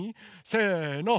せの。